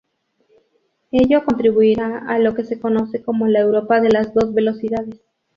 Ello contribuirá a lo que se conoce como la Europa de las dos velocidades.